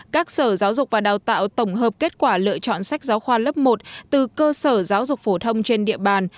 các sở giáo dục và đào tạo tổng hợp kết quả lựa chọn sách giáo khoa lớp một từ cơ sở giáo dục phổ thông trên địa bàn